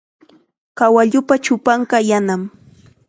Kawalluupa chupanqa yanam.